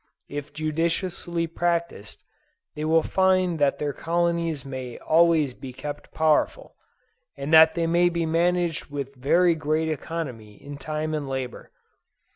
If judiciously practiced, they will find that their colonies may always be kept powerful, and that they may be managed with very great economy in time and labor.